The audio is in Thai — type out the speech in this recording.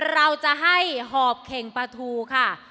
เราจะให้หอบเข่งปลาทูค่ะ